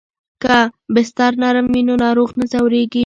که بستر نرم وي نو ناروغ نه ځورېږي.